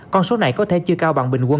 con số này có thể chưa cao bằng bình quân